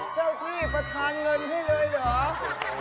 เจ้าที่ประธานเงินให้เลยเหรอ